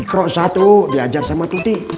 krok satu diajar sama tuti